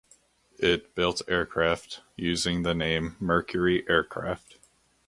It built aircraft using the name Mercury Aircraft.